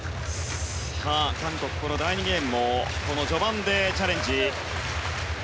韓国、第２ゲームも序盤でチャレンジ。